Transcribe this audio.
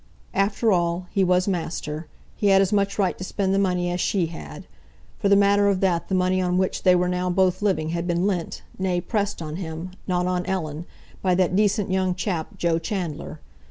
After all, he was master. He had as much right to spend the money as she had; for the matter of that the money on which they were now both living had been lent, nay, pressed on him—not on Ellen—by that decent young chap, Joe Chandler.